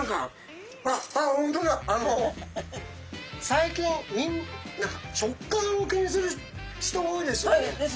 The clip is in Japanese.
最近何か食感を気にする人多いですよね。